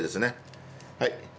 はい。